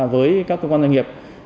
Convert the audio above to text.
với các cơ quan doanh nghiệp